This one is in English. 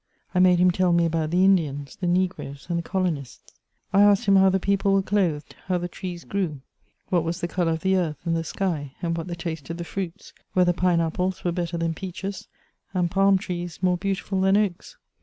I made nim tell me about the Indians, the negroes, and the colonists. I asked him how the people were clothed, how the trees g^w, what was the colour of the earth and the sky, and what the taste of the fruits ; wbedier pine apples were better than peaches, and palm trees more beau CHATEAUBRIAND. 239 tiful than oaks.